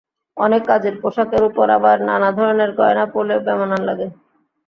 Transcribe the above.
অনেক কাজের পোশাকের ওপর আবার নানা ধরনের গয়না পরলে বেমানান লাগে।